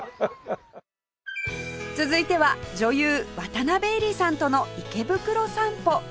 続いては女優渡辺えりさんとの池袋散歩